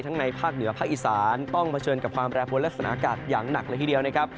ในภาคเหนือภาคอีสานต้องเผชิญกับความแปรปวนลักษณะอากาศอย่างหนักเลยทีเดียวนะครับ